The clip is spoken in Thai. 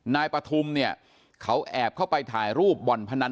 นายปฐุมเนี่ยเขาแอบเข้าไปถ่ายรูปบ่อนพนัน